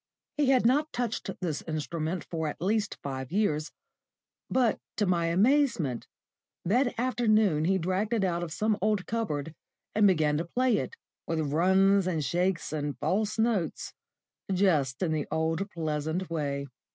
He had not touched this instrument for at least five years, but to my amazement, that afternoon he dragged it out of some old cupboard and began to play it, with runs and shakes and false notes, just in the old pleasant way.